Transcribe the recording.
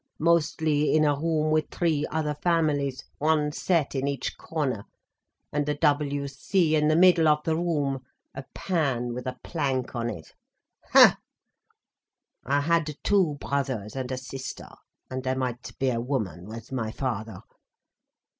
Mostly in a room with three other families—one set in each corner—and the W.C. in the middle of the room—a pan with a plank on it—ha! I had two brothers and a sister—and there might be a woman with my father.